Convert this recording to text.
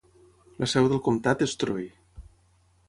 La seu del comtat és Troy.